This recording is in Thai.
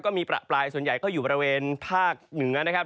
มีประปรายส่วนใหญ่ก็อยู่บริเวณภาคเหนือนะครับ